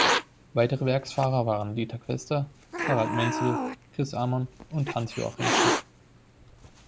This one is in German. Weitere Werksfahrer waren Dieter Quester, Harald Menzel, Chris Amon und Hans-Joachim Stuck.